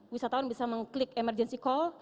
wisatawan bisa mengklik emergency call